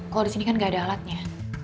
kalau disini kan gak ada alatnya